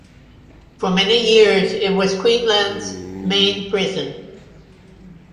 For many years it was Queensland's main prison.